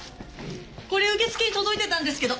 これ受付に届いてたんですけど。